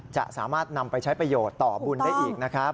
จะสามารถนำไปใช้ประโยชน์ต่อบุญได้อีกนะครับ